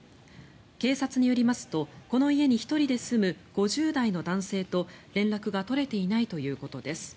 警察によりますと、この家に１人で住む５０代の男性と連絡が取れていないということです。